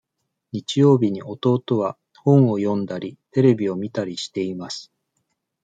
日曜日に弟は本を読んだりテレビを見たりしています。